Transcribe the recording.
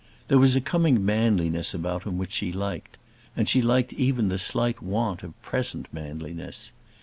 There was a coming manliness about him which she liked, and she liked even the slight want of present manliness.